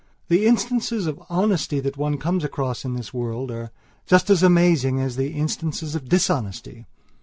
The instances of honesty that one comes across in this world are just as amazing as the instances of dishonesty.